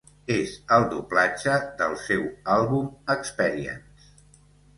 És el doblatge del seu àlbum "Experience".